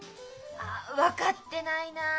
あ分かってないなあ！